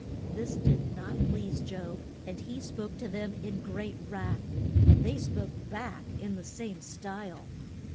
This did not please Job, and he spoke to them in great wrath, and they spoke back in the same style.